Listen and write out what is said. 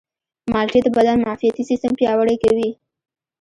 مالټې د بدن معافیتي سیستم پیاوړی کوي.